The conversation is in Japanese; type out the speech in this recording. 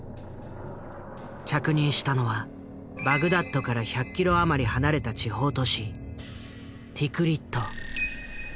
着任したのはバグダッドから１００キロ余り離れた地方都市ティクリット。